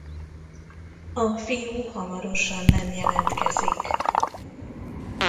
A fiú hamarosan nem jelentkezik.